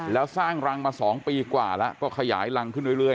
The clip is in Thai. แล้วสร้างรังมา๒ปีกว่าแล้วก็ขยายรังขึ้นเรื่อย